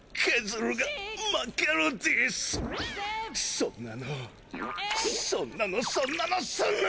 そんなのそんなのそんなのエイト！